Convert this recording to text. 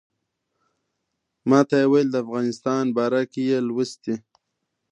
ماته یې ویل د افغانستان باره کې یې لوستي.